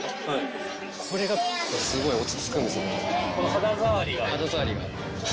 肌触りが。